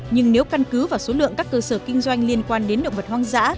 nhưng nếu căn cứ vào số lượng các cơ sở kinh doanh liên quan đến động vật hoang dã